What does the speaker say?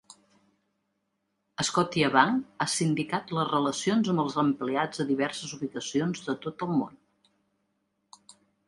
Scotiabank ha sindicat les relacions amb els empleats a diverses ubicacions de tot el món.